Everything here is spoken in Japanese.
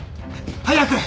早く！